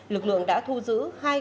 lực lượng đã thu giữ hai cây